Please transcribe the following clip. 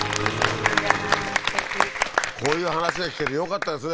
すてきこういう話が聞けてよかったですね